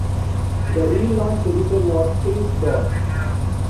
The relaunch editor was Philip Dodd.